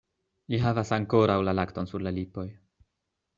Li havas ankoraŭ la lakton sur la lipoj.